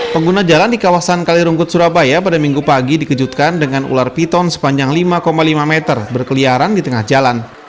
pengguna jalan di kawasan kalirungkut surabaya pada minggu pagi dikejutkan dengan ular piton sepanjang lima lima meter berkeliaran di tengah jalan